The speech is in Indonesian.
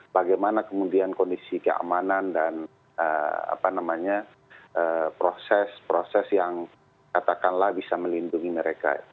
bagaimana kemudian kondisi keamanan dan proses proses yang katakanlah bisa melindungi mereka